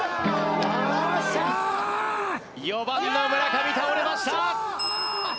４番の村上倒れました。